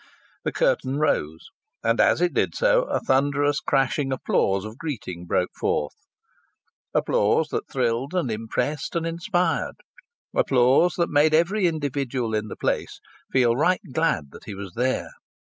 The curtain rose, and as it did so a thunderous, crashing applause of greeting broke forth; applause that thrilled and impressed and inspired; applause that made every individual in the place feel right glad that he was there.